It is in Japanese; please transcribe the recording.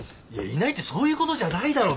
いないってそういうことじゃないだろ。